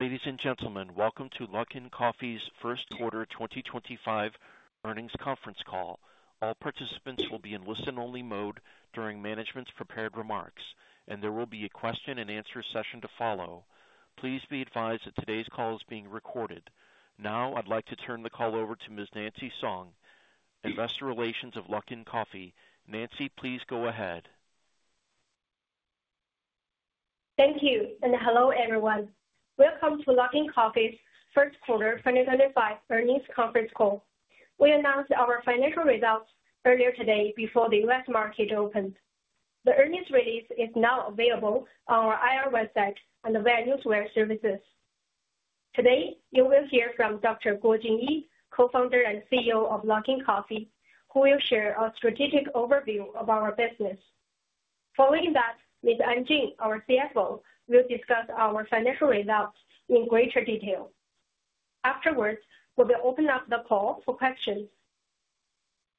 Ladies and gentlemen, welcome to Luckin Coffee's first quarter 2025 earnings conference call. All participants will be in listen-only mode during management's prepared remarks, and there will be a question-and-answer session to follow. Please be advised that today's call is being recorded. Now, I'd like to turn the call over to Ms. Nancy Song, Investor Relations of Luckin Coffee. Nancy, please go ahead. Thank you, and hello everyone. Welcome to Luckin Coffee's first quarter 2025 earnings conference call. We announced our financial results earlier today before the U.S. market opened. The earnings release is now available on our IR website and the various services. Today, you will hear from Dr. Guo Jinyi, co-founder and CEO of Luckin Coffee, who will share a strategic overview of our business. Following that, Ms. An Jing, our CFO, will discuss our financial results in greater detail. Afterwards, we will open up the call for questions.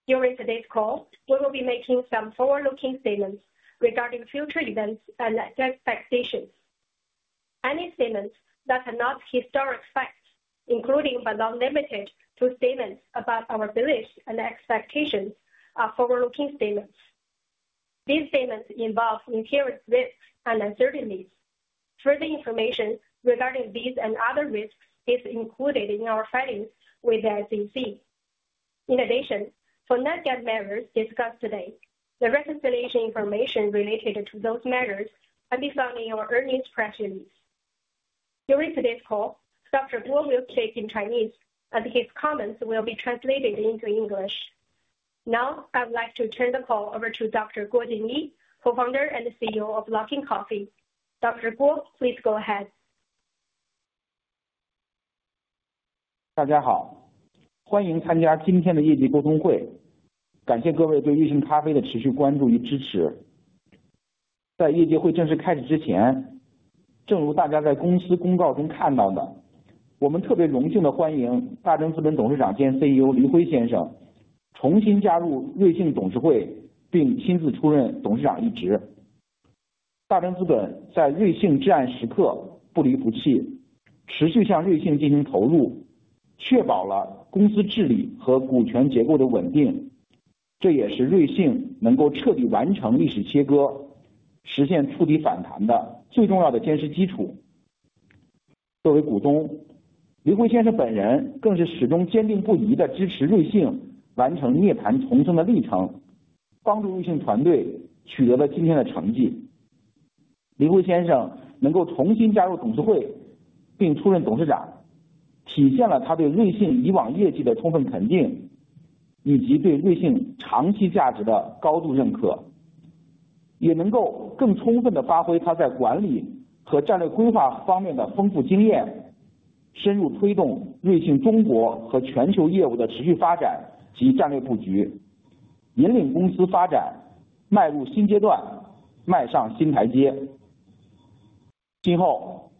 During today's call, we will be making some forward-looking statements regarding future events and expectations. Any statements that are not historic facts, including but not limited to statements about our beliefs and expectations, are forward-looking statements. These statements involve inherent risks and uncertainties. Further information regarding these and other risks is included in our filings with the SEC. In addition, for non-GAAP matters discussed today, the reconciliation information related to those matters can be found in our earnings press release. During today's call, Dr. Guo will speak in Chinese, and his comments will be translated into English. Now, I would like to turn the call over to Dr. Guo Jinyi, co-founder and CEO of Luckin Coffee. Dr. Guo, please go ahead. Hello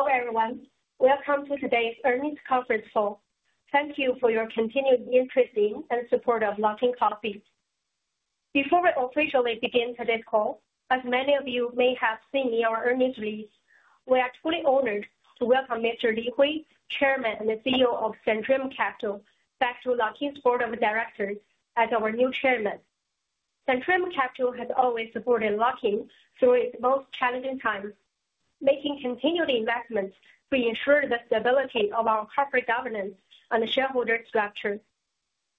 everyone, welcome to today's earnings conference call. Thank you for your continued interest in and support of Luckin Coffee. Before we officially begin today's call, as many of you may have seen in our earnings release, we are truly honored to welcome Mr. Li Hui, Chairman and CEO of Centrium Capital, back to Luckin's board of directors as our new Chairman. Centrium Capital has always supported Luckin through its most challenging times, making continued investments to ensure the stability of our corporate governance and shareholder structure.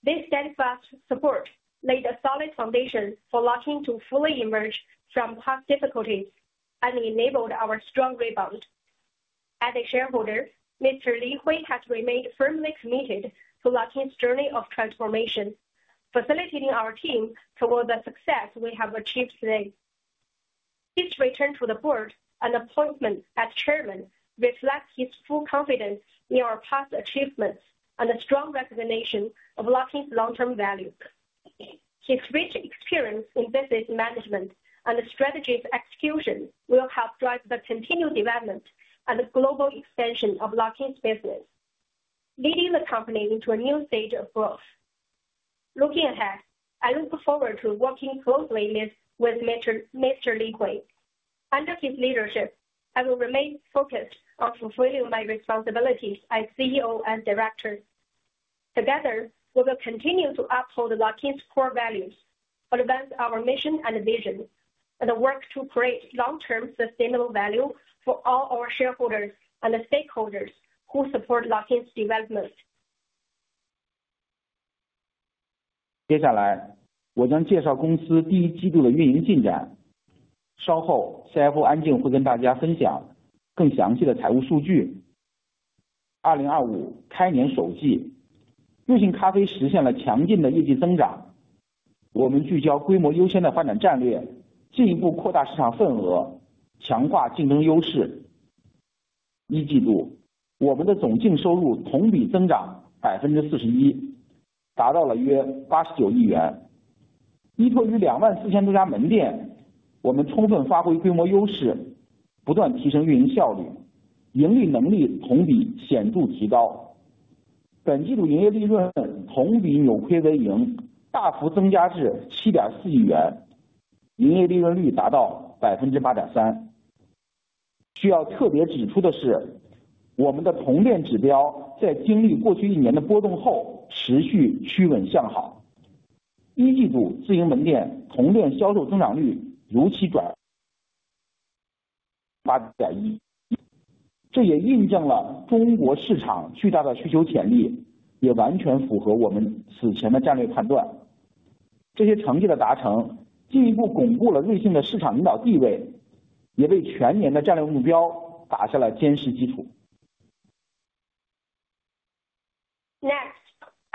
This steadfast support laid a solid foundation for Luckin to fully emerge from past difficulties and enabled our strong rebound. As a shareholder, Mr. Li Hui has remained firmly committed to Luckin's journey of transformation, facilitating our team toward the success we have achieved today. His return to the board and appointment as Chairman reflects his full confidence in our past achievements and a strong recognition of Luckin's long-term value. His rich experience in business management and strategic execution will help drive the continued development and global expansion of Luckin's business, leading the company into a new stage of growth. Looking ahead, I look forward to working closely with Mr. Li Hui. Under his leadership, I will remain focused on fulfilling my responsibilities as CEO and director. Together, we will continue to uphold Luckin's core values, advance our mission and vision, and work to create long-term sustainable value for all our shareholders and stakeholders who support Luckin's development. Next, I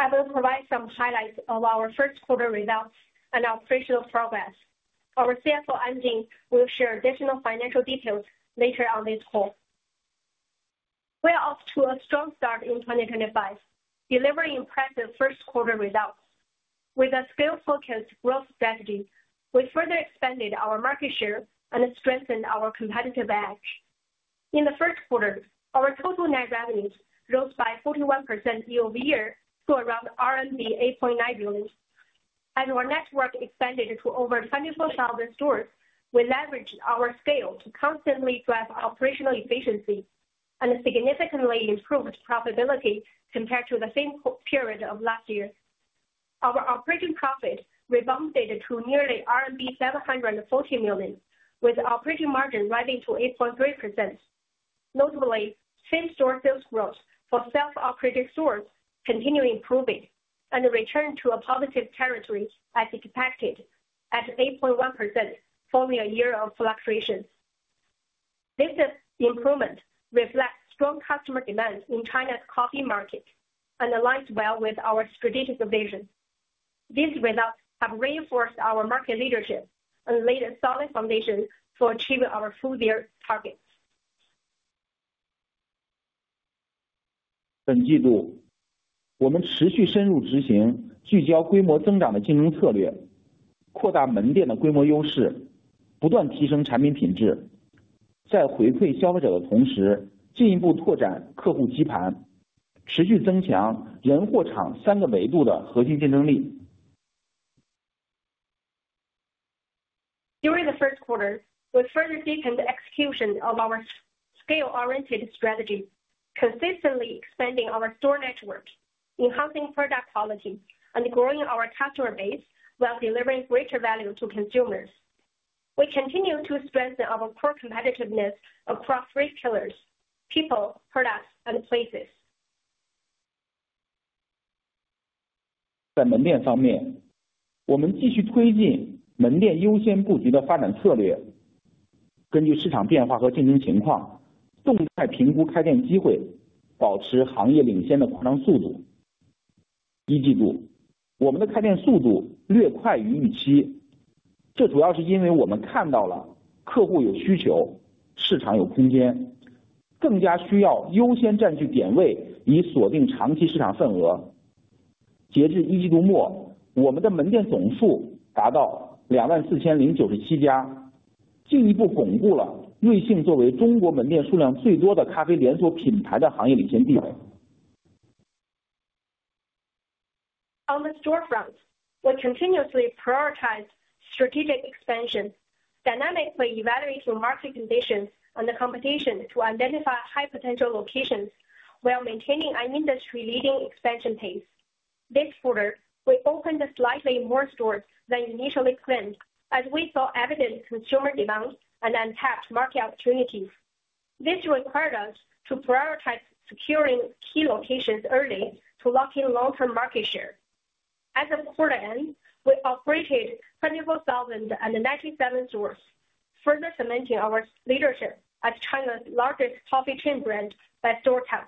will provide some highlights of our first quarter results and operational progress. Our CFO, An Jing, will share additional financial details later on this call. We are off to a strong start in 2025, delivering impressive first quarter results. With a scale-focused growth strategy, we further expanded our market share and strengthened our competitive edge. In the first quarter, our total net revenues rose by 41% year over year to around 8.9 billion. As our network expanded to over 24,000 stores, we leveraged our scale to constantly drive operational efficiency and significantly improved profitability compared to the same period of last year. Our operating profit rebounded to nearly RMB 740 million, with operating margin rising to 8.3%. Notably, same-store sales growth for self-operated stores continued improving and returned to a positive territory as expected, at 8.1% following a year of fluctuations. This improvement reflects strong customer demand in China's coffee market and aligns well with our strategic vision. These results have reinforced our market leadership and laid a solid foundation for achieving our full-year targets. 本季度，我们持续深入执行聚焦规模增长的竞争策略，扩大门店的规模优势，不断提升产品品质。在回馈消费者的同时，进一步拓展客户基盘，持续增强人货场三个维度的核心竞争力。During the first quarter, we further deepened the execution of our scale-oriented strategy, consistently expanding our store network, enhancing product quality, and growing our customer base while delivering greater value to consumers. We continue to strengthen our core competitiveness across three pillars: people, products, and places. 在门店方面，我们继续推进门店优先布局的发展策略，根据市场变化和竞争情况，动态评估开店机会，保持行业领先的扩张速度。一季度，我们的开店速度略快于预期，这主要是因为我们看到了客户有需求，市场有空间，更加需要优先占据点位以锁定长期市场份额。截至一季度末，我们的门店总数达到24,097家，进一步巩固了瑞幸作为中国门店数量最多的咖啡连锁品牌的行业领先地位。On the store front, we continuously prioritize strategic expansion, dynamically evaluating market conditions and the competition to identify high-potential locations while maintaining an industry-leading expansion pace. This quarter, we opened slightly more stores than initially planned as we saw evident consumer demand and untapped market opportunities. This required us to prioritize securing key locations early to lock in long-term market share. As of quarter end, we operated 24,097 stores, further cementing our leadership as China's largest coffee chain brand by store count.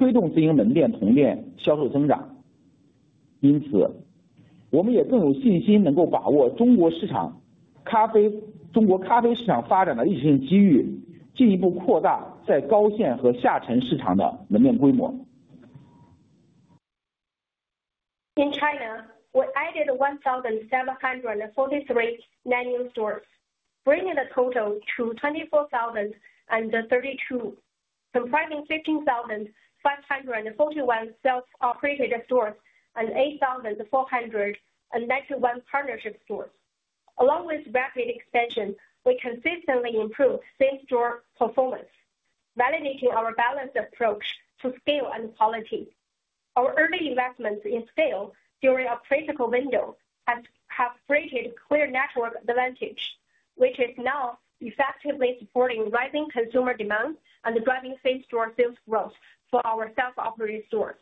In China, we added 1,743 net new stores, bringing the total to 24,032, comprising 15,541 self-operated stores and 8,491 partnership stores. Along with rapid expansion, we consistently improved same-store performance, validating our balanced approach to scale and quality. Our early investments in scale during a critical window have created clear network advantage, which is now effectively supporting rising consumer demand and driving same-store sales growth for our self-operated stores.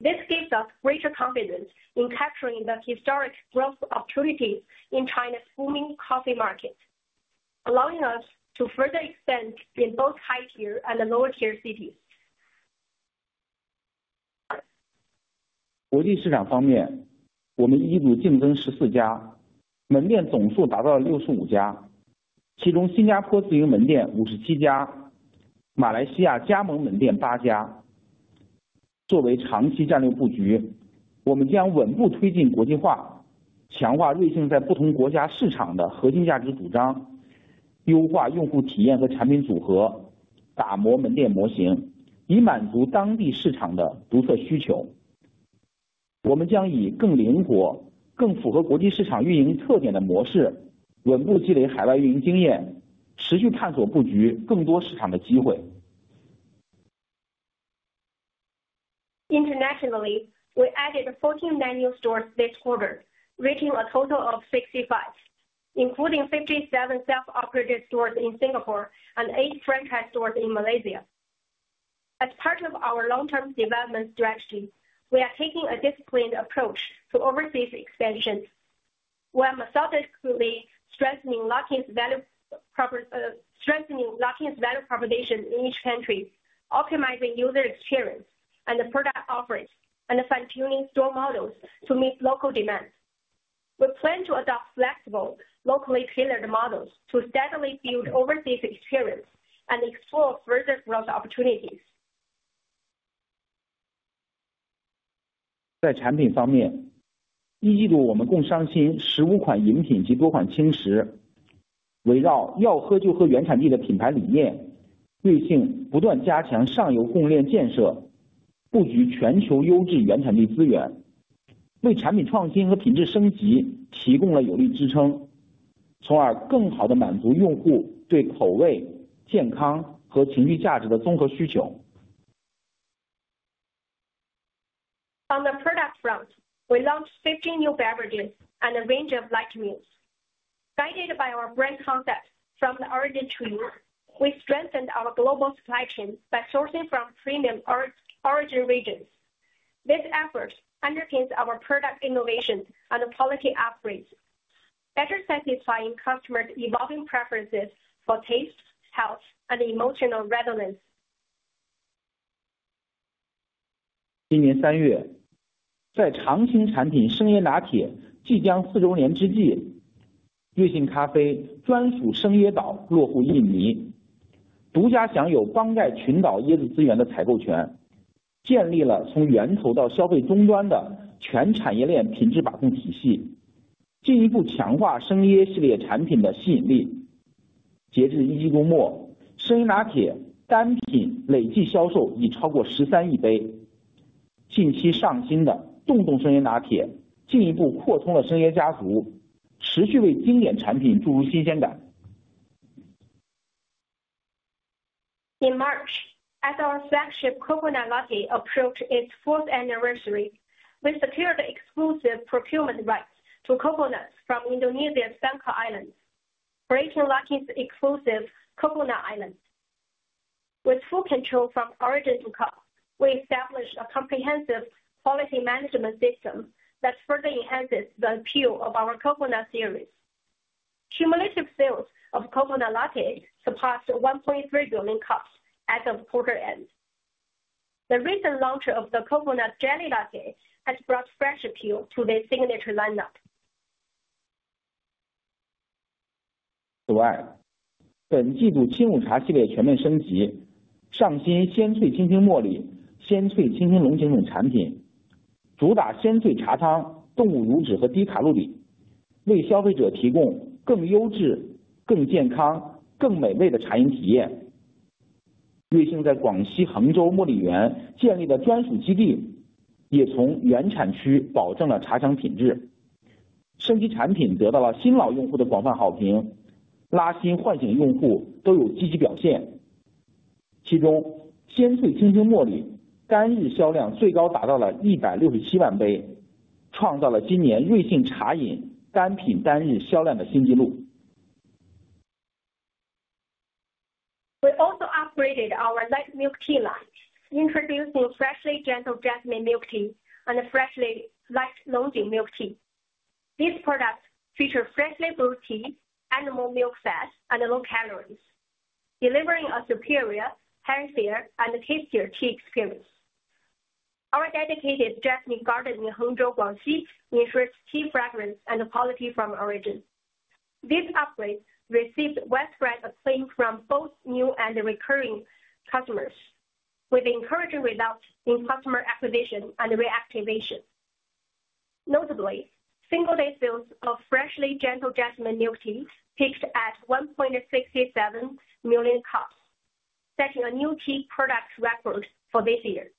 This gives us greater confidence in capturing the historic growth opportunities in China's booming coffee market, allowing us to further expand in both high-tier and lower-tier cities. Internationally, we added 14 net new stores this quarter, reaching a total of 65, including 57 self-operated stores in Singapore and 8 franchise stores in Malaysia. As part of our long-term development strategy, we are taking a disciplined approach to overseas expansion. We are methodically strengthening Luckin's value proposition in each country, optimizing user experience and product offerings, and fine-tuning store models to meet local demand. We plan to adopt flexible, locally tailored models to steadily build overseas experience and explore further growth opportunities. 在产品方面，一季度我们共上新15款饮品及多款轻食，围绕"要喝就喝"原产地的品牌理念，瑞幸不断加强上游供应链建设，布局全球优质原产地资源，为产品创新和品质升级提供了有力支撑，从而更好地满足用户对口味、健康和情绪价值的综合需求。On the product front, we launched 15 new beverages and a range of light meals. Guided by our brand concept from the origin tree, we strengthened our global supply chain by sourcing from premium origin regions. This effort underpins our product innovation and quality upgrades, better satisfying customers' evolving preferences for taste, health, and emotional resonance. In March, as our flagship Coconut Latte approached its fourth anniversary, we secured exclusive procurement rights to coconuts from Indonesia's Banggai Archipelago, creating Luckin's exclusive coconut islands. With full control from origin to cup, we established a comprehensive quality management system that further enhances the appeal of our coconut series. Cumulative sales of Coconut Latte surpassed 1.3 billion cups as of quarter end. The recent launch of the Coconut Jelly Latte has brought fresh appeal to their signature lineup. We also upgraded our light milk tea line, introducing freshly brewed jasmine milk tea and freshly brewed Longjing milk tea. These products feature freshly brewed tea, animal milk fat, and low calories, delivering a superior, healthier, and tastier tea experience. Our dedicated jasmine garden in Hengzhou, Guangxi, ensures tea fragrance and quality from origin. This upgrade received widespread acclaim from both new and recurring customers, with encouraging results in customer acquisition and reactivation. Notably, single-day sales of freshly brewed jasmine milk tea peaked at 1.67 million cups, setting a new tea product record for this year.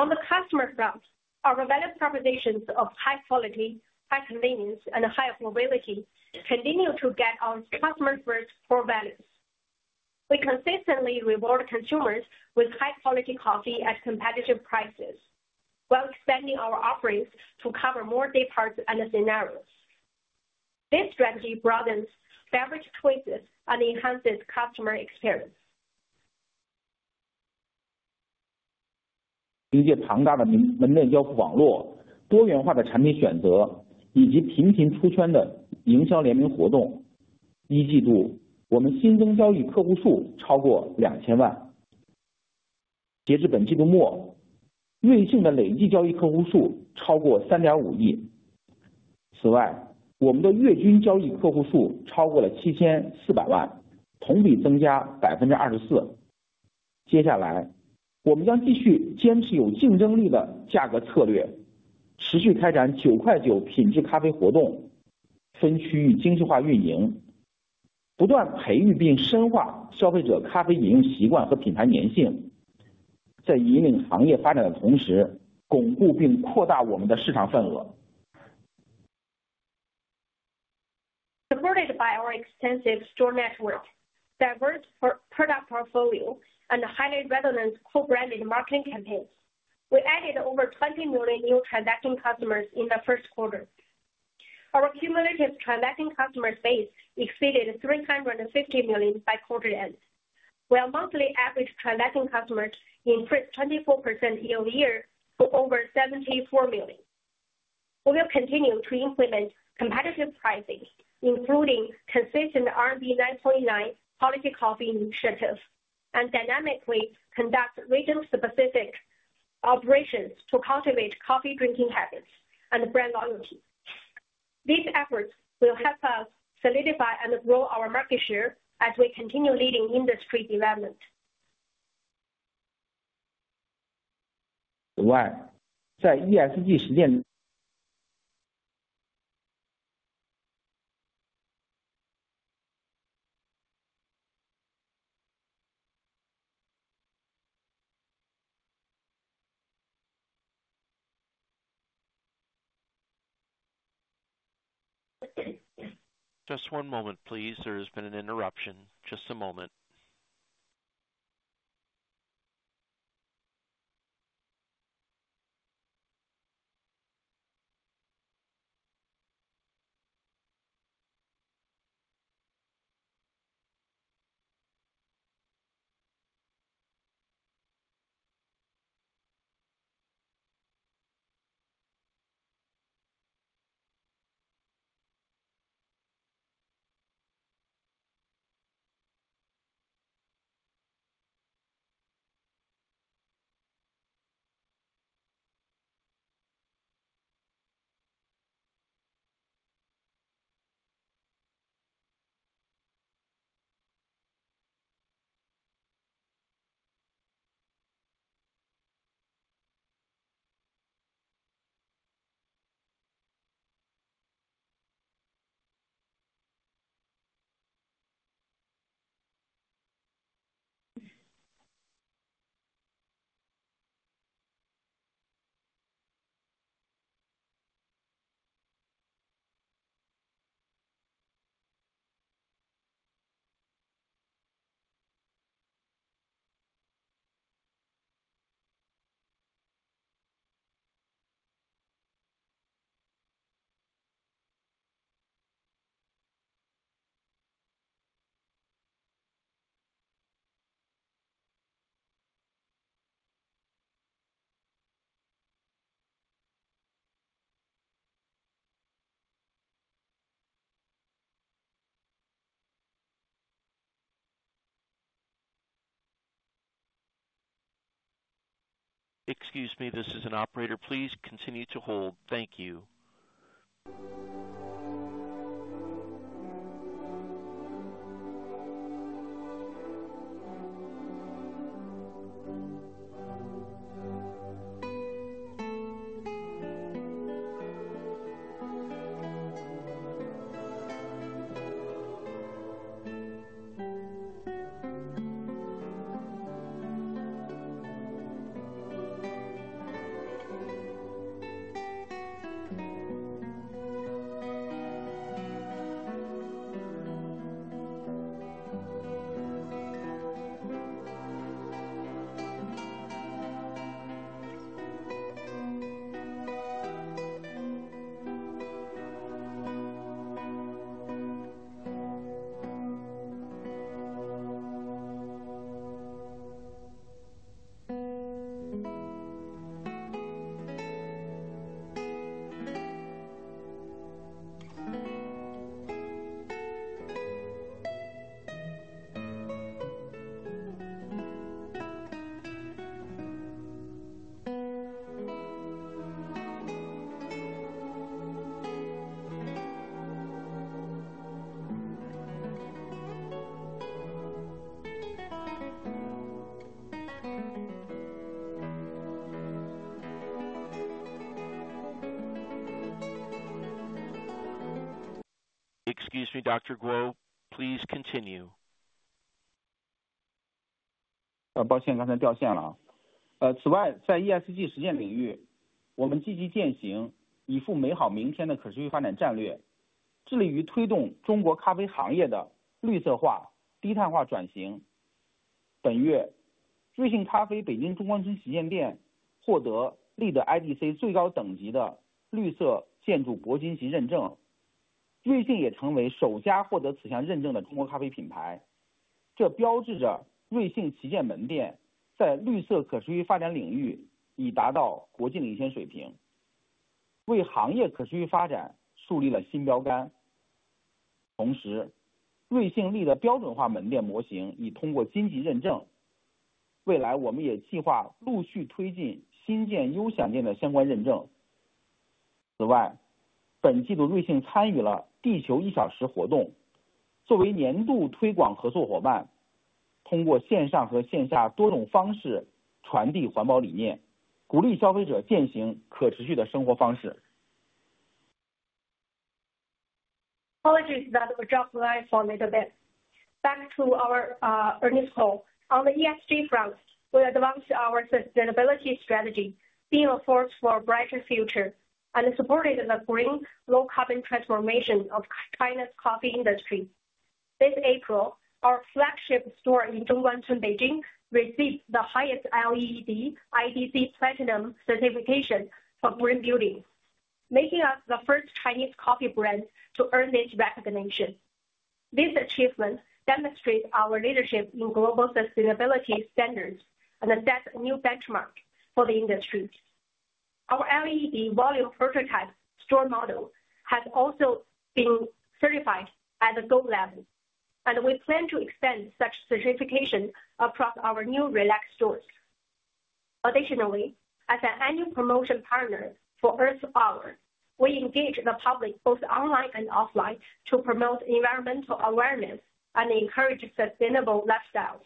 On the customer front, our value propositions of high quality, high convenience, and high availability continue to get our customers' words for values. We consistently reward consumers with high-quality coffee at competitive prices while expanding our offerings to cover more departments and scenarios. This strategy broadens beverage choices and enhances customer experience. Supported by our extensive store network, diverse product portfolio, and highly resonant co-branded marketing campaigns, we added over 20 million new transacting customers in the first quarter. Our cumulative transacting customer base exceeded 350 million by quarter end, while monthly average transacting customers increased 24% year over year to over 74 million. We will continue to implement competitive pricing, including consistent 9.9 quality coffee initiative, and dynamically conduct region-specific operations to cultivate coffee drinking habits and brand loyalty. These efforts will help us solidify and grow our market share as we continue leading industry development. 此外，在ESG实践。Just one moment, please. There has been an interruption. Just a moment. Excuse me, this is an operator. Please continue to hold. (Audio Music) Thank you. (Audio Music) Excuse me, Dr. Guo. Please continue. 抱歉，刚才掉线了。此外，在ESG实践领域，我们积极践行以赴美好明天的可持续发展战略，致力于推动中国咖啡行业的绿色化、低碳化转型。本月，瑞幸咖啡北京中关村旗舰店获得LEED IDC最高等级的绿色建筑铂金级认证，瑞幸也成为首家获得此项认证的中国咖啡品牌。这标志着瑞幸旗舰门店在绿色可持续发展领域已达到国际领先水平，为行业可持续发展树立了新标杆。同时，瑞幸LEED标准化门店模型已通过经济认证，未来我们也计划陆续推进新建优享店的相关认证。此外，本季度瑞幸参与了地球一小时活动，作为年度推广合作伙伴，通过线上和线下多种方式传递环保理念，鼓励消费者践行可持续的生活方式。Apologies that we dropped the line for a little bit. Back to our earnings call. On the ESG front, we advanced our sustainability strategy, being a force for a brighter future and supporting the green, low-carbon transformation of China's coffee industry. This April, our flagship store in Zhongguancun, Beijing, received the highest LEED IDC Platinum certification for green building, making us the first Chinese coffee brand to earn this recognition. This achievement demonstrates our leadership in global sustainability standards and sets a new benchmark for the industry. Our LEED volume prototype store model has also been certified at the gold level, and we plan to extend such certification across our new relaxed stores. Additionally, as an annual promotion partner for Earth Hour, we engage the public both online and offline to promote environmental awareness and encourage sustainable lifestyles.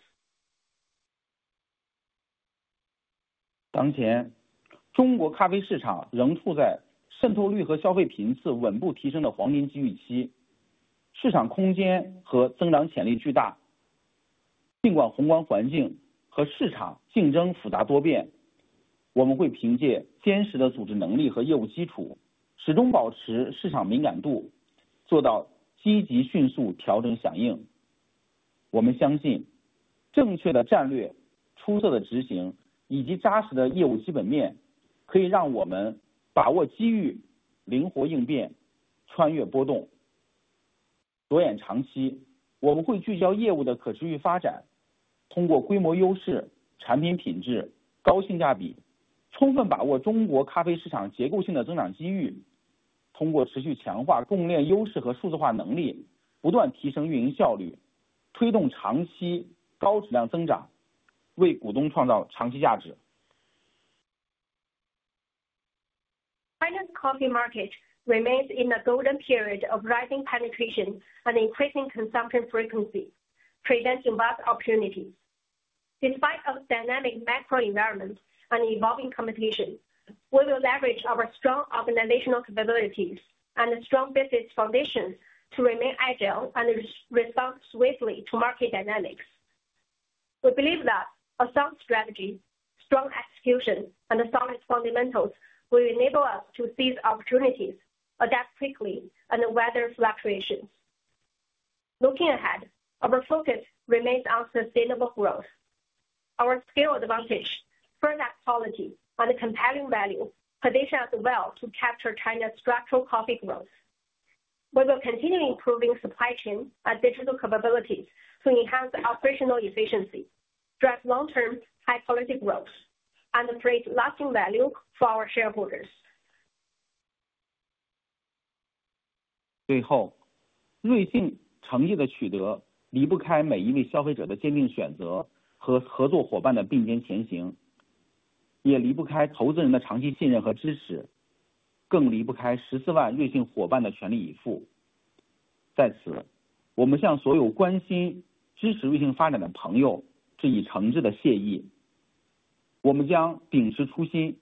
China's coffee market remains in a golden period of rising penetration and increasing consumption frequency, presenting vast opportunities. Despite our dynamic macro environment and evolving competition, we will leverage our strong organizational capabilities and strong business foundation to remain agile and respond swiftly to market dynamics. We believe that a sound strategy, strong execution, and solid fundamentals will enable us to seize opportunities, adapt quickly, and weather fluctuations. Looking ahead, our focus remains on sustainable growth. Our scale advantage, firm quality and compelling value position us well to capture China's structural coffee growth. We will continue improving supply chain and digital capabilities to enhance operational efficiency, drive long-term high-quality growth, and create lasting value for our shareholders. 最后，瑞幸诚意地取得离不开每一位消费者的坚定选择和合作伙伴的并肩前行，也离不开投资人的长期信任和支持，更离不开14万瑞幸伙伴的全力以赴。在此，我们向所有关心支持瑞幸发展的朋友致以诚挚的谢意。我们将秉持初心，引领中国咖啡行业持续向前发展，让高品质咖啡成为大家日常生活的一部分。接下来，有请安静向大家介绍详细的财务数据。Finally, our achievements are made possible by the trust of our customers, the collaboration of our partners, the support of our investors,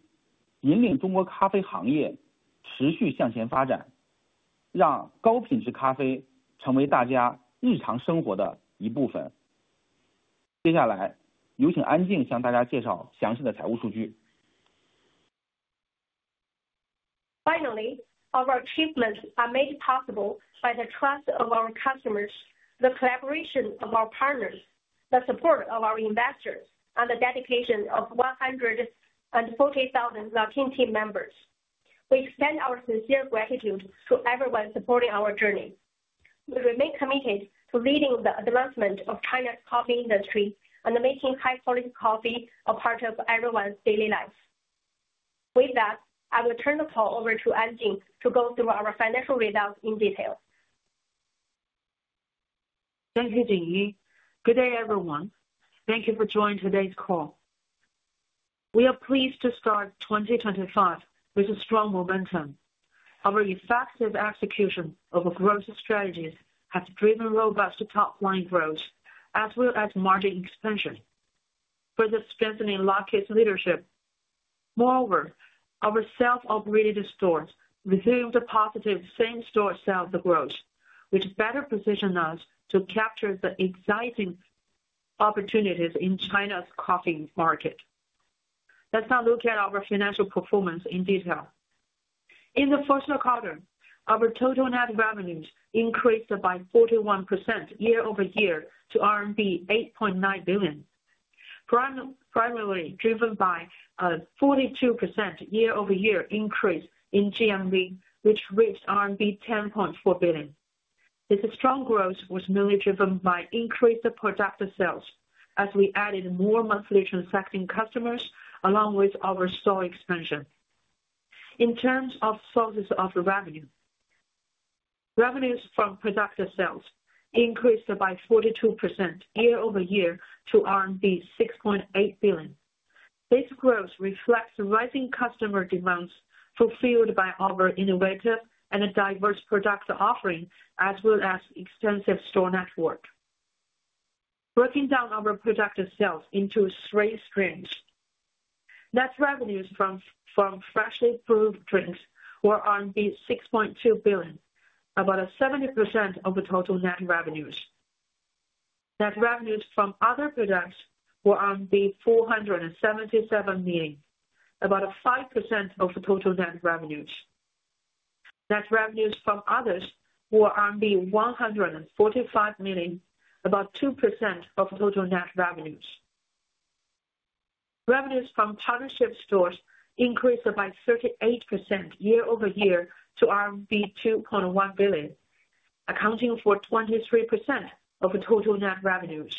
and the dedication of 140,000 Luckin Coffee team members. We extend our sincere gratitude to everyone supporting our journey. We remain committed to leading the advancement of China's coffee industry and making high-quality coffee a part of everyone's daily life. With that, I will turn the call over to An Jing to go through our financial results in detail. Good day everyone. Thank you for joining today's call. We are pleased to start 2025 with a strong momentum. Our effective execution of our growth strategies has driven robust top-line growth as well as margin expansion, further strengthening Luckin Coffee's leadership. Moreover, our self-operated stores resumed a positive same-store sales growth, which better positioned us to capture the exciting opportunities in China's coffee market. Let's now look at our financial performance in detail. In the first quarter, our total net revenues increased by 41% year over year to RMB 8.9 billion, primarily driven by a 42% year over year increase in GMV, which reached RMB 10.4 billion. This strong growth was mainly driven by increased product sales as we added more monthly transacting customers along with our store expansion. In terms of sources of revenue, revenues from product sales increased by 42% year over year to RMB 6.8 billion. This growth reflects rising customer demands fulfilled by our innovative and diverse product offering as well as extensive store network. Breaking down our product sales into three streams, net revenues from freshly brewed drinks were 6.2 billion, about 70% of total net revenues. Net revenues from other products were 477 million, about 5% of total net revenues. Net revenues from others were RMB 145 million, about 2% of total net revenues. Revenues from partnership stores increased by 38% year over year to RMB 2.1 billion, accounting for 23% of total net revenues.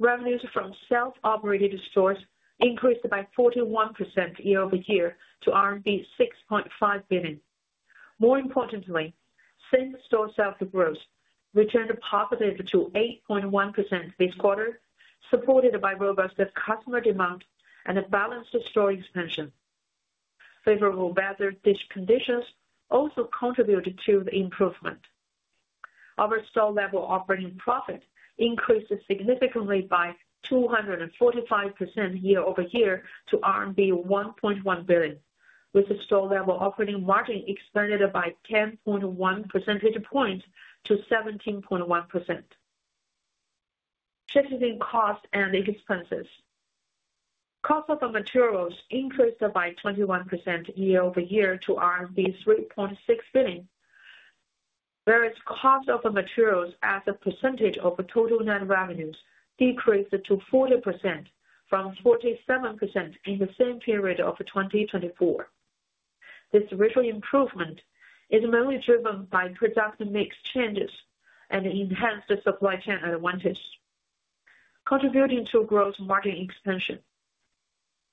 Revenues from self-operated stores increased by 41% year over year to RMB 6.5 billion. More importantly, same-store sales growth returned positive to 8.1% this quarter, supported by robust customer demand and a balanced store expansion. Favorable weather conditions also contributed to the improvement. Our store-level operating profit increased significantly by 245% year over year to RMB 1.1 billion, with the store-level operating margin expanded by 10.1 percentage points to 17.1%. Shifting costs and expenses. Cost of materials increased by 21% year over year to RMB 3.6 billion. Various costs of materials as a percentage of total net revenues decreased to 40% from 47% in the same period of 2024. This structural improvement is mainly driven by product mix changes and enhanced supply chain advantage, contributing to gross margin expansion.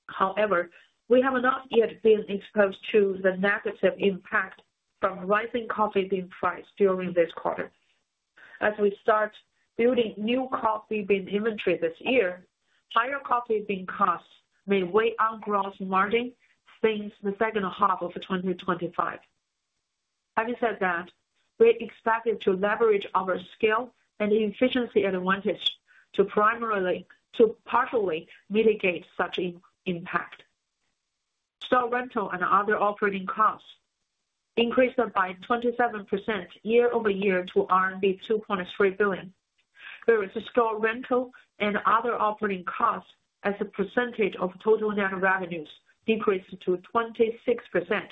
However, we have not yet been exposed to the negative impact from rising coffee bean prices during this quarter. As we start building new coffee bean inventory this year, higher coffee bean costs may weigh on gross margin since the second half of 2025. Having said that, we expected to leverage our scale and efficiency advantage to partially mitigate such impact. Store rental and other operating costs increased by 27% year over year to RMB 2.3 billion. Various store rental and other operating costs as a percentage of total net revenues decreased to 26%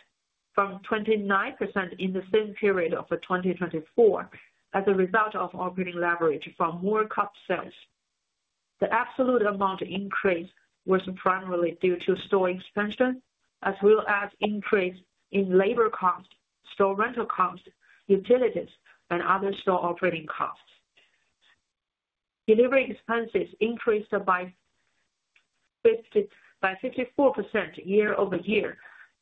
from 29% in the same period of 2024 as a result of operating leverage from more cup sales. The absolute amount increase was primarily due to store expansion, as well as increase in labor costs, store rental costs, utilities, and other store operating costs. Delivery expenses increased by 54% year over year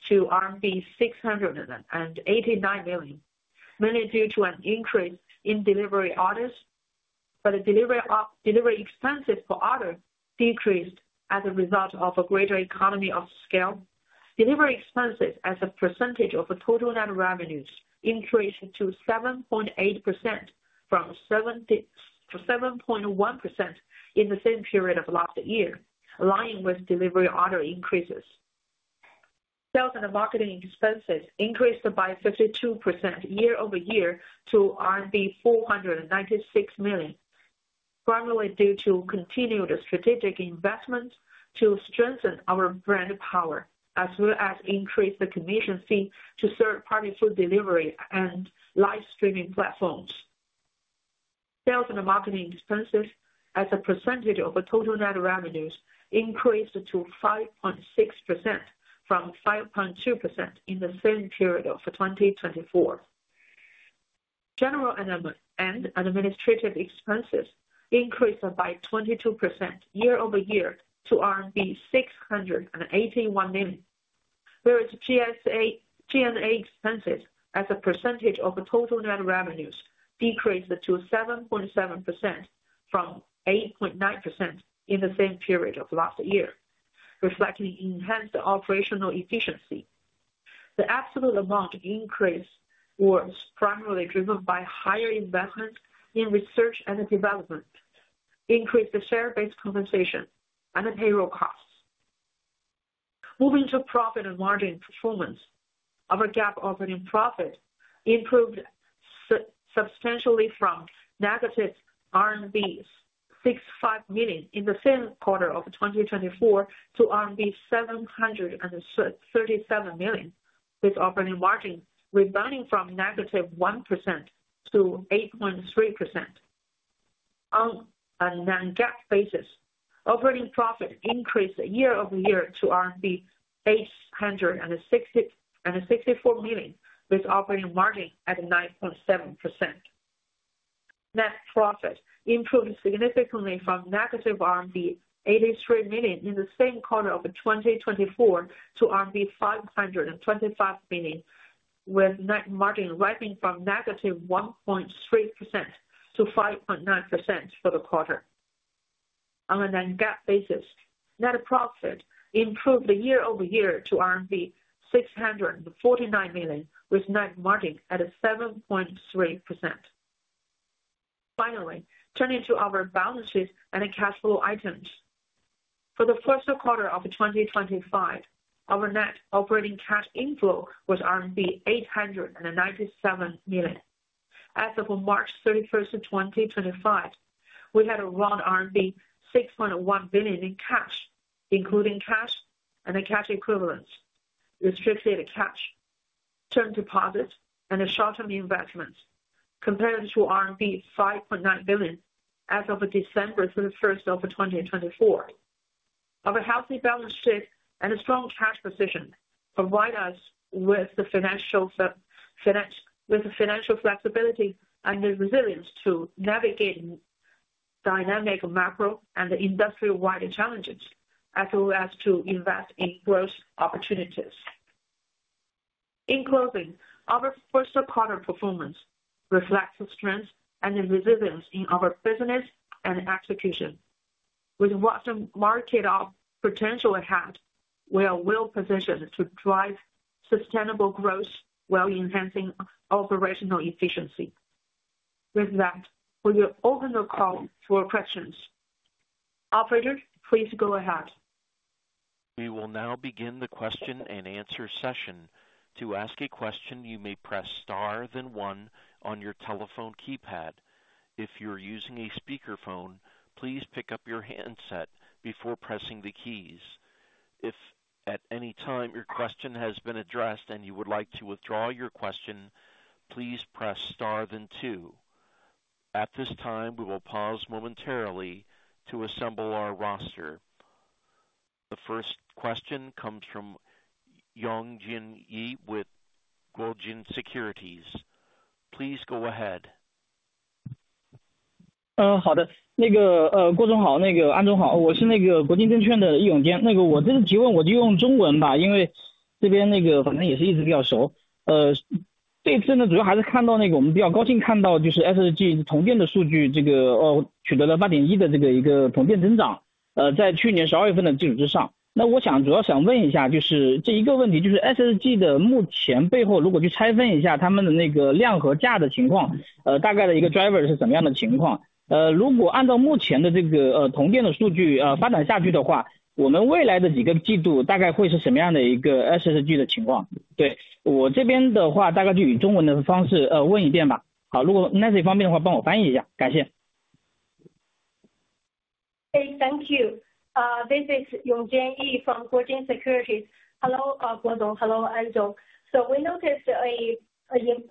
to RMB 689 million, mainly due to an increase in delivery orders, but delivery expenses for orders decreased as a result of a greater economy of scale. Delivery expenses as a percentage of total net revenues increased to 7.8% from 7.1% in the same period of last year, aligning with delivery order increases. Sales and marketing expenses increased by 52% year over year to RMB 496 million, primarily due to continued strategic investment to strengthen our brand power as well as increase the commission fee to third-party food delivery and live streaming platforms. Sales and marketing expenses as a percentage of total net revenues increased to 5.6% from 5.2% in the same period of 2024. General and administrative expenses increased by 22% year over year to RMB 681 million. Various G&A expenses as a percentage of total net revenues decreased to 7.7% from 8.9% in the same period of last year, reflecting enhanced operational efficiency. The absolute amount increase was primarily driven by higher investment in research and development, increased share-based compensation, and payroll costs. Moving to profit and margin performance, our GAAP operating profit improved substantially from negative RMB 65 million in the same quarter of 2024 to RMB 737 million, with operating margin rebounding from negative 1% to 8.3%. On a GAAP basis, operating profit increased year over year to RMB 864 million, with operating margin at 9.7%. Net profit improved significantly from negative RMB 83 million in the same quarter of 2024 to RMB 525 million, with net margin rising from negative 1.3% to 5.9% for the quarter. On a GAAP basis, net profit improved year over year to RMB 649 million, with net margin at 7.3%. Finally, turning to our balance sheet and cash flow items. For the first quarter of 2025, our net operating cash inflow was RMB 897 million. As of March 31, 2025, we had around RMB 6.1 billion in cash, including cash and cash equivalents, restricted cash, term deposits, and short-term investments, compared to RMB 5.9 billion as of December 31, 2024. Our healthy balance sheet and strong cash position provide us with financial flexibility and resilience to navigate dynamic macro and industry-wide challenges as well as to invest in growth opportunities. In closing, our first quarter performance reflects strength and resilience in our business and execution. With what the market potential ahead, we are well positioned to drive sustainable growth while enhancing operational efficiency. With that, we will open the call for questions. Operator, please go ahead. We will now begin the question and answer session. To ask a question, you may press star then one on your telephone keypad. If you're using a speakerphone, please pick up your handset before pressing the keys. If at any time your question has been addressed and you would like to withdraw your question, please press star then two. At this time, we will pause momentarily to assemble our roster. The first question comes from Yi Yongjian with Guojin Securities. Please go ahead. 好的，那个，呃，郭总好，那个安总好。我是那个国金证券的易永坚。那个，我这次提问我就用中文吧，因为这边那个反正也是一直比较熟。呃，这次呢，主要还是看到那个我们比较高兴看到，就是SSG同店的数据，这个，呃，取得了8.1的这个一个同店增长，呃，在去年12月份的基础之上。那我想主要想问一下，就是这一个问题，就是SSG的目前背后如果去拆分一下他们的那个量和价的情况，呃，大概的一个driver是怎么样的情况。呃，如果按照目前的这个，呃，同店的数据，呃，发展下去的话，我们未来的几个季度大概会是什么样的一个SSG的情况。对，我这边的话大概就以中文的方式，呃，问一遍吧。好，如果Nancy方便的话帮我翻译一下，感谢。Hey, thank you. This is Yi Yongjian from Guojin Securities. Hello, Guozhong. Hello, Anzong. We noticed a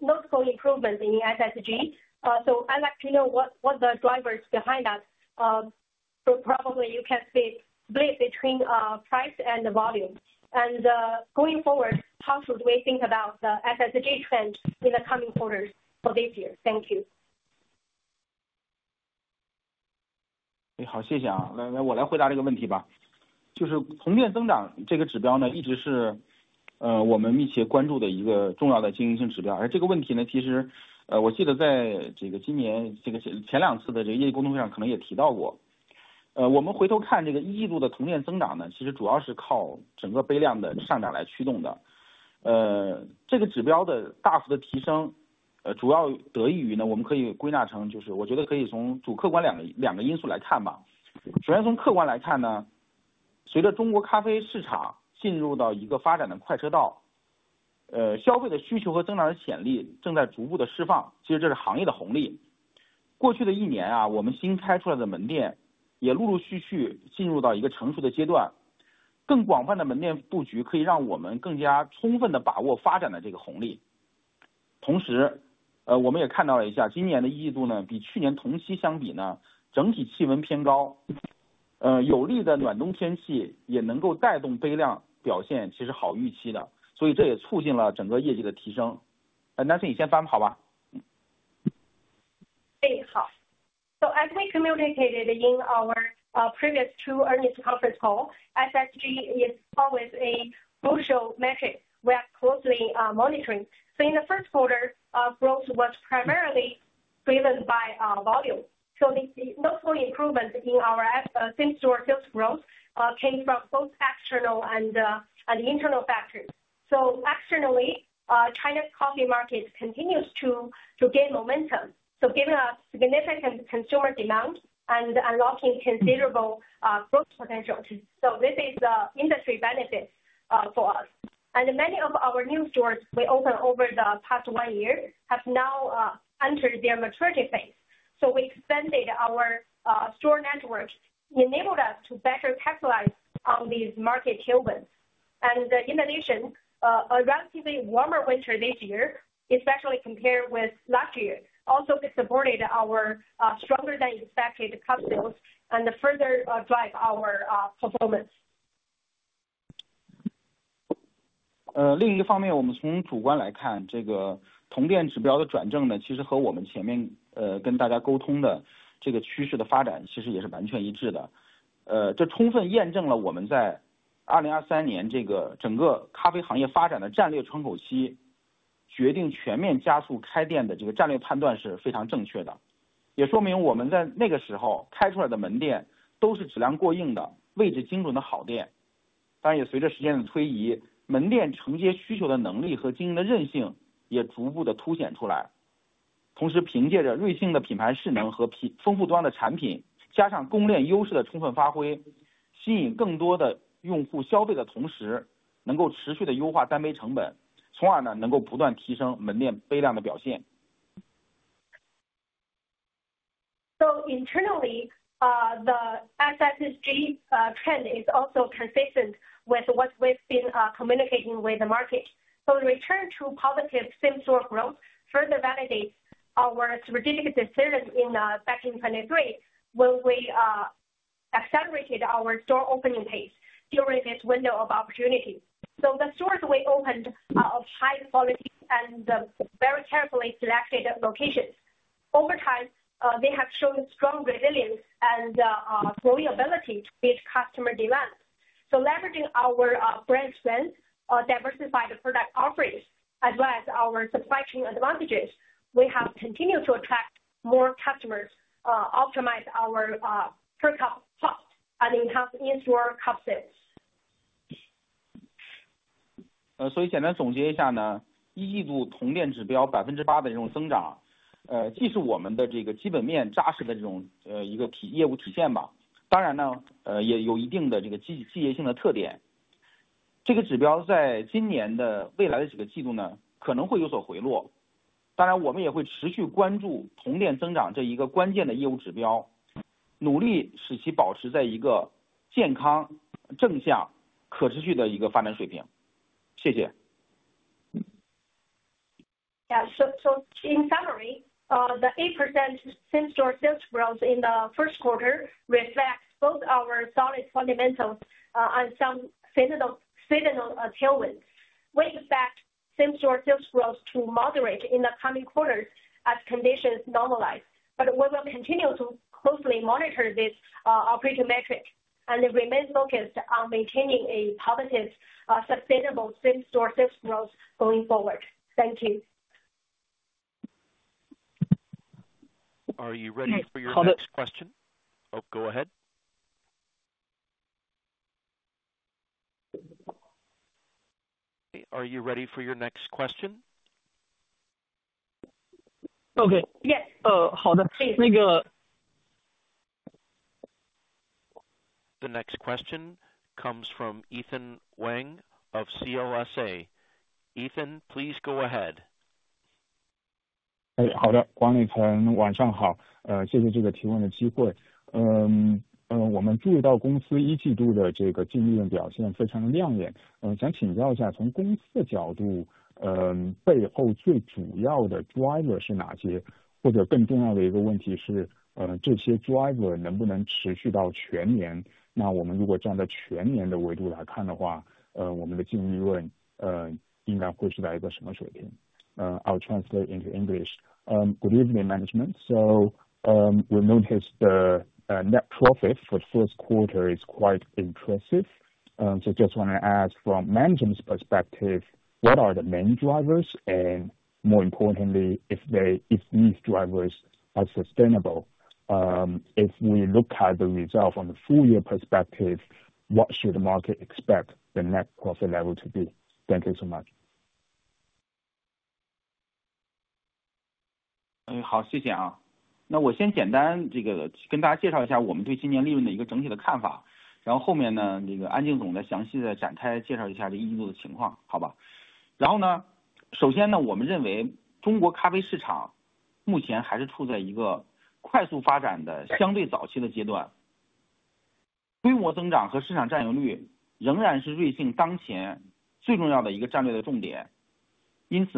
notable improvement in SSG. I would like to know what the drivers behind that are, probably you can split between price and volume. Going forward, how should we think about the SSG trend in the coming quarters for this year? Thank you. 好，谢谢啊。那，那我来回答这个问题吧。就是同店增长这个指标呢，一直是，呃，我们密切关注的一个重要的经营性指标。而这个问题呢，其实，呃，我记得在这个今年这个前两次的这个业绩沟通会上可能也提到过。呃，我们回头看这个一季度的同店增长呢，其实主要是靠整个杯量的上涨来驱动的。呃，这个指标的大幅的提升，呃，主要得益于呢，我们可以归纳成，就是我觉得可以从主客观两个两个因素来看吧。首先从客观来看呢，随着中国咖啡市场进入到一个发展的快车道，呃，消费的需求和增长的潜力正在逐步的释放。其实这是行业的红利。过去的一年啊，我们新开出来的门店也陆陆续续进入到一个成熟的阶段。更广泛的门店布局可以让我们更加充分的把握发展的这个红利。同时，呃，我们也看到了一下今年的一季度呢，比去年同期相比呢，整体气温偏高，呃，有利的暖冬天气也能够带动杯量表现其实好预期的。所以这也促进了整个业绩的提升。呃，Nancy，你先发吧，好吧。Hey, as we communicated in our previous two earnings conference call, SSG is always a crucial metric we are closely monitoring. In the first quarter, growth was primarily driven by volume. The notable improvement in our same-store sales growth came from both external and internal factors. Externally, China's coffee market continues to gain momentum, giving us significant consumer demand and unlocking considerable growth potential. This is industry benefits for us. Many of our new stores we opened over the past one year have now entered their maturity phase. We expanded our store network, enabled us to better capitalize on these market cabins. In addition, a relatively warmer winter this year, especially compared with last year, also supported our stronger than expected cup sales and further drive our performance. Internally, the SSG trend is also consistent with what we've been communicating with the market. The return to positive same-store growth further validates our strategic decision back in 2023 when we accelerated our store opening pace during this window of opportunity. The stores we opened, of high quality and very carefully selected locations, over time, have shown strong resilience and growing ability to meet customer demand. Leveraging our brand strength, diversified product offerings, as well as our supply chain advantages, we have continued to attract more customers, optimize our per cup cost, and enhance in-store cup sales. 呃，所以简单总结一下呢，一季度同店指标8%的这种增长，呃，既是我们的这个基本面扎实的这种，呃，一个业务体现吧。当然呢，呃，也有一定的这个季季节性的特点。这个指标在今年的未来的几个季度呢，可能会有所回落。当然我们也会持续关注同店增长这一个关键的业务指标，努力使其保持在一个健康、正向、可持续的一个发展水平。谢谢。Yeah, so in summary, the 8% same-store sales growth in the first quarter reflects both our solid fundamentals and some seasonal achievements. We expect same-store sales growth to moderate in the coming quarters as conditions normalize. We will continue to closely monitor this operating metric and remain focused on maintaining a positive, sustainable same-store sales growth going forward. Thank you. Are you ready for your next question? Oh, go ahead. Are you ready for your next question? Okay，呃，好的，那个。The next question comes from Ethan Wang of CLSA. Ethan, please go ahead. Thank you. I will first briefly introduce our overall view on this year's profit, and then An Jing will elaborate on the situation for this quarter, okay? First, we believe that the Chinese coffee market is still in a relatively early stage of rapid development. Scale growth and market share remain the most important strategic priorities for Luckin Coffee at present. Therefore, we will continue to maintain a competitive pricing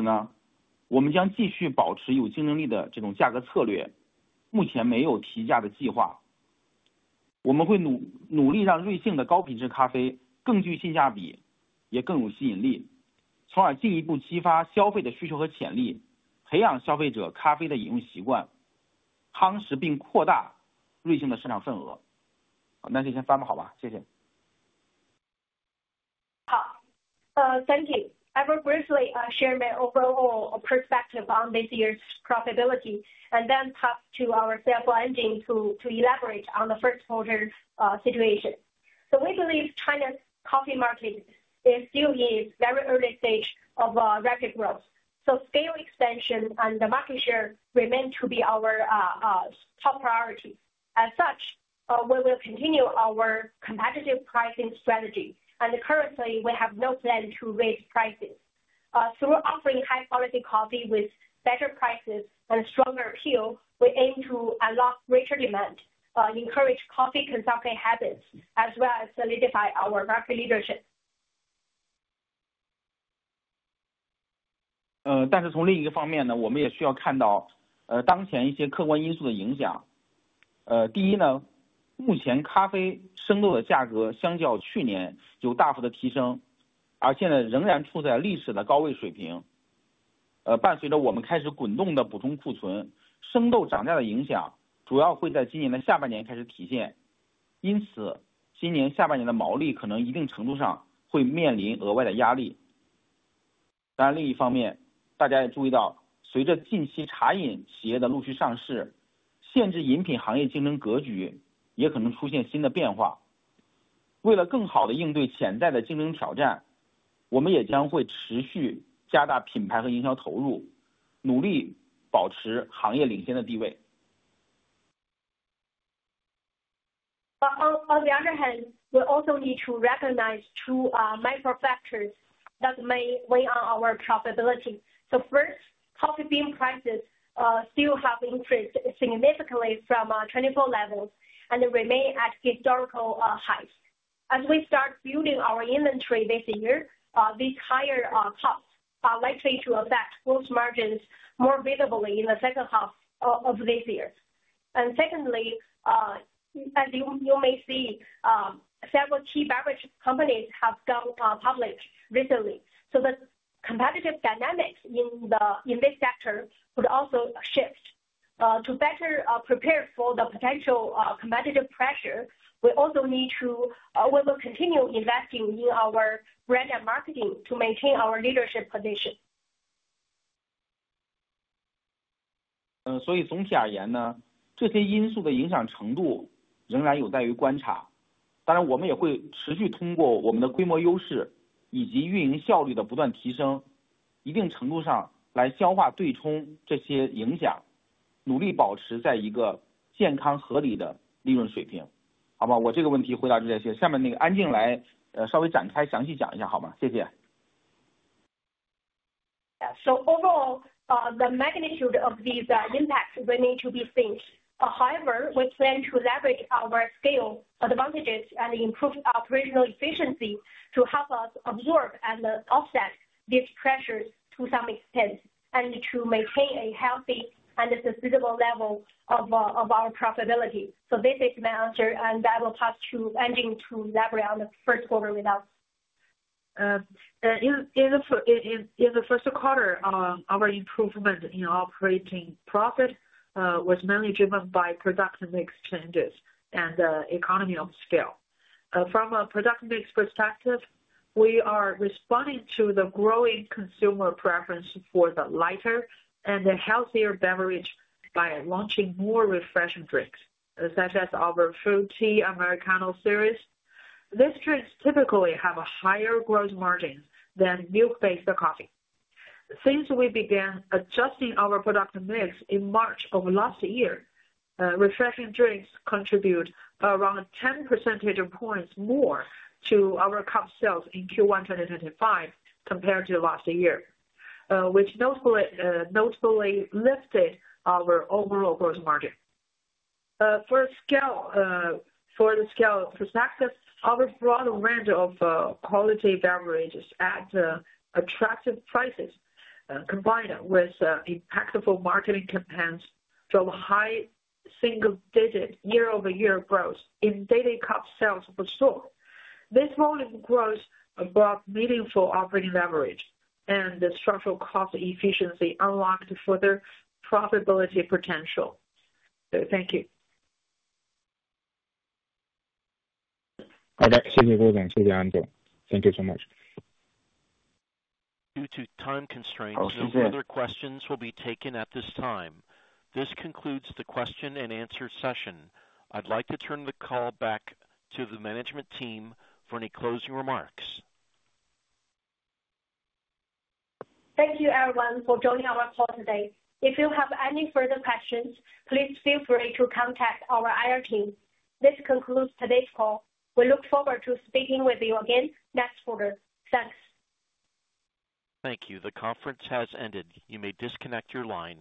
strategy and currently have no plans to raise prices. We will work hard to make Luckin Coffee's high-quality coffee more cost-effective and attractive, further stimulating consumer demand and potential, cultivating consumers' coffee drinking habits, and consolidating and expanding Luckin Coffee's market share. That is all for now, thank you. Thank you. I will briefly share my overall perspective on this year's profitability, and then talk to our sales engine to elaborate on the first quarter situation. We believe China's coffee market is still in a very early stage of rapid growth. Scale expansion and market share remain to be our top priority. As such, we will continue our competitive pricing strategy. Currently, we have no plan to raise prices. Through offering high-quality coffee with better prices and stronger appeal, we aim to unlock richer demand, encourage coffee consumption habits, as well as solidify our market leadership. 呃，但是从另一个方面呢，我们也需要看到，呃，当前一些客观因素的影响。呃，第一呢，目前咖啡生豆的价格相较去年有大幅的提升，而现在仍然处在历史的高位水平。呃，伴随着我们开始滚动的补充库存，生豆涨价的影响主要会在今年的下半年开始体现。因此，今年下半年的毛利可能一定程度上会面临额外的压力。当然另一方面，大家也注意到，随着近期茶饮企业的陆续上市，限制饮品行业竞争格局也可能出现新的变化。为了更好地应对潜在的竞争挑战，我们也将会持续加大品牌和营销投入，努力保持行业领先的地位。the other hand, we also need to recognize two micro factors that may weigh on our profitability. First, coffee bean prices still have increased significantly from 2024 levels and remain at historical highs. As we start building our inventory this year, these higher costs are likely to affect gross margins more visibly in the second half of this year. Secondly, as you may see, several key beverage companies have gone public recently. The competitive dynamics in this sector would also shift. To better prepare for the potential competitive pressure, we also need to, we will continue investing in our brand and marketing to maintain our leadership position. 呃，所以总体而言呢，这些因素的影响程度仍然有待于观察。当然我们也会持续通过我们的规模优势以及运营效率的不断提升，一定程度上来消化对冲这些影响，努力保持在一个健康合理的利润水平。好吧，我这个问题回答这些，下面那个安静来，呃，稍微展开详细讲一下好吗？谢谢。Yeah, so overall, the magnitude of these impacts really to be seen. However, we plan to leverage our scale advantages and improve operational efficiency to help us absorb and offset these pressures to some extent and to maintain a healthy and sustainable level of our profitability. This is my answer, and I will pass to An Jing to leverage on the first quarter without. In the first quarter, our improvement in operating profit was mainly driven by production mix changes and economy of scale. From a production mix perspective, we are responding to the growing consumer preference for the lighter and the healthier beverage by launching more refreshing drinks, such as our Fruity Americano series. These drinks typically have a higher gross margin than milk-based coffee. Since we began adjusting our production mix in March of last year, refreshing drinks contribute around 10 percentage points more to our cup sales in Q1 2025 compared to last year, which notably lifted our overall gross margin. For the scale perspective, our broad range of quality beverages at attractive prices, combined with impactful marketing campaigns, drove high single-digit year-over-year growth in daily cup sales for store. This volume growth brought meaningful operating leverage, and the structural cost efficiency unlocked further profitability potential. Thank you. 好的，谢谢各位感谢这个安总。Thank you so much. Due to time constraints, no further questions will be taken at this time. This concludes the question and answer session. I'd like to turn the call back to the management team for any closing remarks. Thank you everyone for joining our call today. If you have any further questions, please feel free to contact our IR team. This concludes today's call. We look forward to speaking with you again next quarter. Thanks. Thank you. The conference has ended. You may disconnect your line.